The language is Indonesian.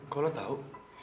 kau lah tahu